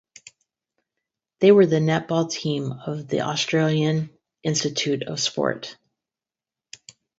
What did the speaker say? They were the netball team of the Australian Institute of Sport.